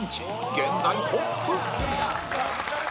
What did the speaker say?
現在トップ